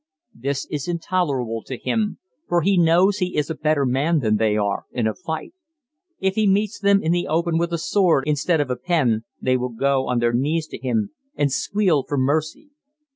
This is intolerable to him, for he knows he is a better man than they are in a fight. If he meets them in the open with a sword instead of a pen they will go on their knees to him and squeal for mercy.